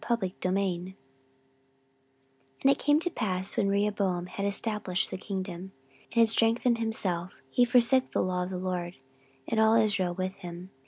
14:012:001 And it came to pass, when Rehoboam had established the kingdom, and had strengthened himself, he forsook the law of the LORD, and all Israel with him.